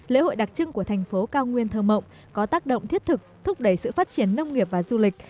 lễ hội đặc trưng của thành phố cao nguyên thơ mộng có tác động thiết thực thúc đẩy sự phát triển nông nghiệp và du lịch